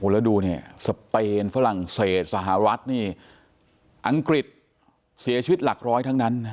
แล้วดูเนี่ยสเปนฝรั่งเศสหรัฐนี่อังกฤษเสียชีวิตหลักร้อยทั้งนั้นนะ